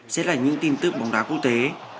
sẽ là những tin tức bóng đá quốc tế